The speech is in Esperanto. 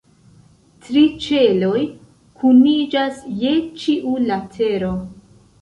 Tri ĉeloj kuniĝas je ĉiu latero.